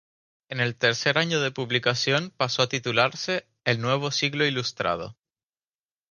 En el tercer año de publicación pasó a titularse "El Nuevo Siglo Ilustrado".